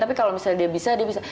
tapi kalau misalnya dia bisa dia bisa